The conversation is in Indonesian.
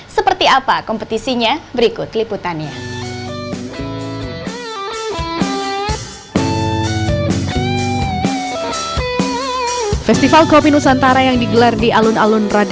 seperti apa kompetisinya berikut liputannya